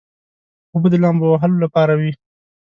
اوبه د لامبو وهلو لپاره وي.